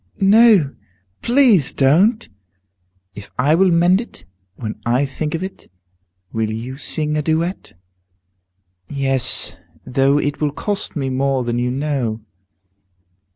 "No, please don't!" "If I will mend it when I think of it, will you sing a duet?" "Yes, though it will cost me more than you know."